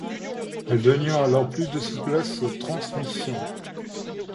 Elles donnaient alors plus de souplesse aux transmissions.